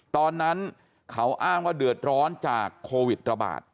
ตอนนั้นเขาอ้างว่าเดือดร้อนจากโควิดระบาด